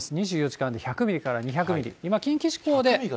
２４時間で１００ミリから２００ミリ、今近畿地方で。